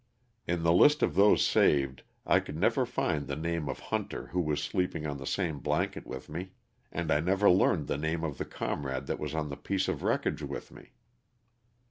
In the list of those saved I could never find the name of Hunter who was sleeping on the same blanket with me, and I never learned the name of the comrade that Tras on the piece of wreckage with me.